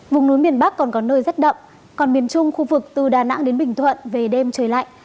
vùng núi miền bắc còn có nơi rét đậm còn miền trung khu vực từ đà nẵng đến bình thuận về đêm trời lạnh